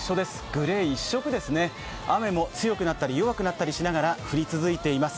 グレー一色ですね、雨も強くなったり弱くなったりしながら降り続いています。